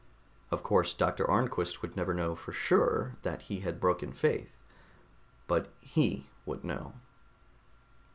_ Of course, Doctor Arnquist would never know, for sure, that he had broken faith ... but he would know....